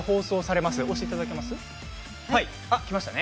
きましたね。